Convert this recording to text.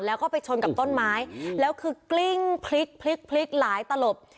แล้วก็ไปชนกับต้นไม้แล้วคือกลิ้งพลิกพลิกหลายตลบ